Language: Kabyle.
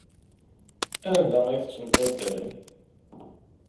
Anda ay tent-tembaddalem?